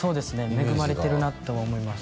恵まれてるなとは思います